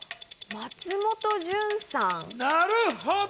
松本潤さん？